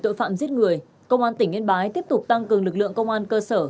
tội phạm giết người công an tỉnh yên bái tiếp tục tăng cường lực lượng công an cơ sở